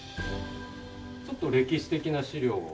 ちょっと歴史的な資料を。